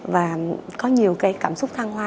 và có nhiều cái cảm xúc thăng hoa